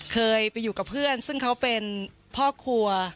เคยไปอยู่กับเพื่อนซึ่งเขาเป็นพ่อครัว